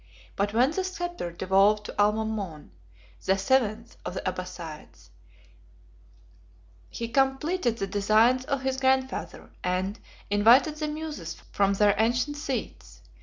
But when the sceptre devolved to Almamon, the seventh of the Abbassides, he completed the designs of his grandfather, and invited the muses from their ancient seats.